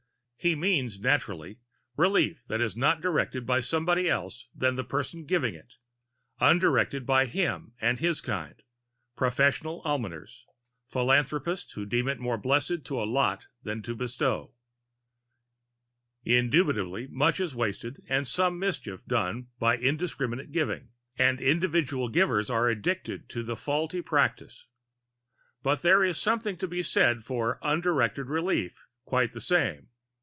He means, naturally, relief that is not directed by somebody else than the person giving it undirected by him and his kind professional almoners philanthropists who deem it more blessed to allot than to bestow. Indubitably much is wasted and some mischief done by indiscriminate giving and individual givers are addicted to that faulty practice. But there is something to be said for "undirected relief" quite the same.